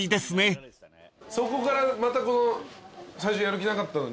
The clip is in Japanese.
そこからまた最初やる気なかったのに。